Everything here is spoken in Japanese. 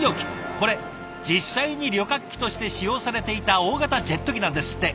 これ実際に旅客機として使用されていた大型ジェット機なんですって！